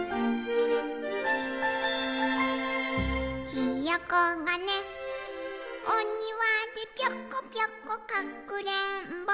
「ひよこがねおにわでぴょこぴょこかくれんぼ」